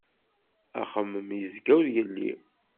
Axemmem yezga ur yelli.